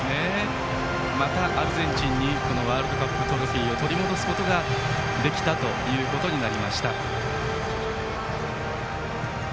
また、アルゼンチンにワールドカップトロフィーを取り戻すことができたということになりました。